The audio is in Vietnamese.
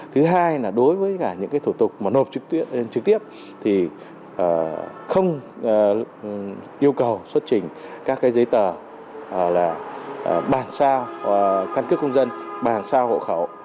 thứ hai là đối với những thủ tục nộp trực tiếp thì không yêu cầu xuất trình các giấy tờ bàn sao căn cứ công dân bàn sao hộ khẩu